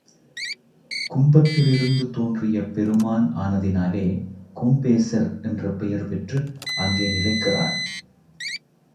கும்பத்திலிருந்து தோன்றிய பெருமான் ஆனதினாலே கும்பேசர் என்ற பெயர் பெற்று அங்கே நிலைக்கிறார்.